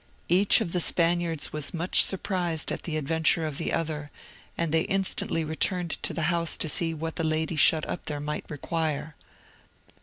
Each of the Spaniards was much surprised at the adventure of the other, and they instantly returned to the house to see what the lady shut up there might require.